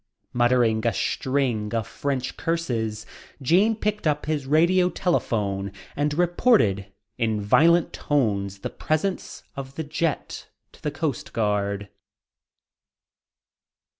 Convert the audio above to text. Muttering a string of French curses, Jean picked up his radio telephone and reported in violent tones the presence of the jet to the Coast Guard.